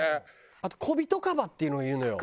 あとコビトカバっていうのもいるのよ。